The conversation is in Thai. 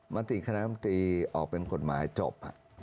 มติคณะมนตรีออกเป็นกฎหมายจบ